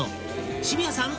渋谷さん